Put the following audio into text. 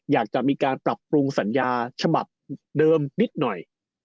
อยากจะมีการปรับปรุงสัญญาฉบับเดิมนิดหน่อย